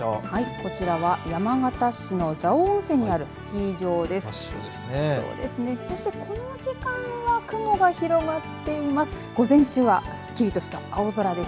こちらは山形市の蔵王温泉にあるスキー場です。